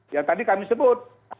yang tadi kami sebut